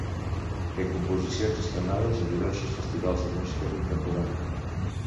Té composicions estrenades a diversos Festivals de Música Contemporània.